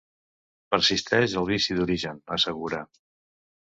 “Persisteix el vici d’origen”, assegura.